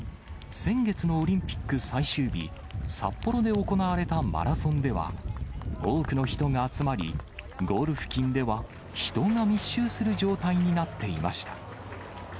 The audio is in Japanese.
先月のオリンピック最終日、札幌で行われたマラソンでは、多くの人が集まり、ゴール付近では人が密集する状態になっていました。